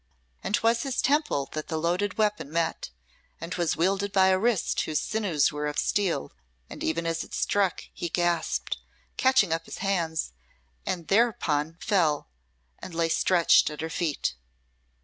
And 'twas his temple that the loaded weapon met, and 'twas wielded by a wrist whose sinews were of steel, and even as it struck he gasped, casting up his hands, and thereupon fell, and lay stretched at her feet!